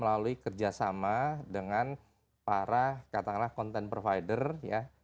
melalui kerjasama dengan para katakanlah content provider ya